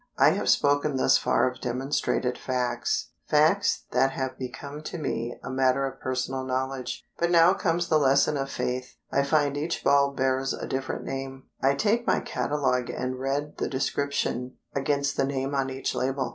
I have spoken thus far of demonstrated facts facts that have become to me a matter of personal knowledge. But now comes the lesson of Faith. I find each bulb bears a different name. I take my catalogue and read the description against the name on each label.